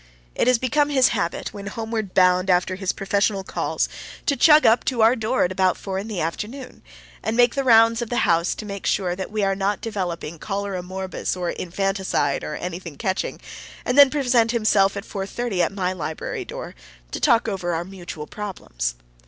It has become his habit, when homeward bound after his professional calls, to chug up to our door about four in the afternoon, and make the rounds of the house to make sure that we are not developing cholera morbus or infanticide or anything catching, and then present himself at four thirty at my library door to talk over our mutual problems.